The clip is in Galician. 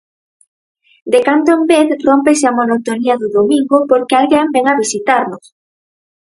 De cando en vez rómpese a monotonía do domingo porque alguén ven a visitarnos.